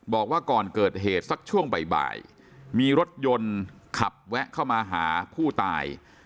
บอกว่าก่อนเกิดเหตุสักช่วงบ่ายมีรถยนต์ขับแวะเข้ามาหาผู้ตาย